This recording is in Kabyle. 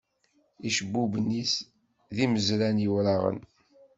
Icebbuben-is, d imezran iwraɣen.